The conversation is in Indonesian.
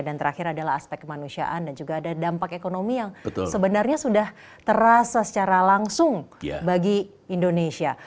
dan terakhir adalah aspek kemanusiaan dan juga ada dampak ekonomi yang sebenarnya sudah terasa secara langsung bagi indonesia